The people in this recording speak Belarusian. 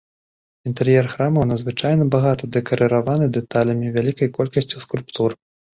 Інтэр'ер храмаў надзвычайна багата дэкарыраваны дэталямі, вялікай колькасцю скульптур.